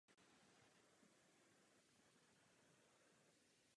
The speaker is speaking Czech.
Zasloužil se o německou tělovýchovu v regionu.